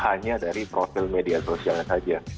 hanya dari profil media sosialnya saja